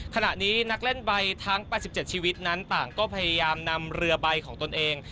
ขณะนี้นักเล่นใบทั้ง๘๗ชีวิตนั้นต่างก็พยายามนำเรือใบของตนเอง